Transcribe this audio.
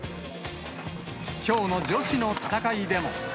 きょうの女子の戦いでも。